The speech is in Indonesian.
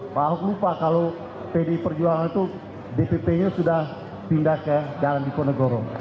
pak ahok lupa kalau pdi perjuangan itu dpp nya sudah pindah ke jalan diponegoro